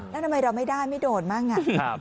แล้วทำไมเราไม่ได้ไม่โดนบ้างอ่ะ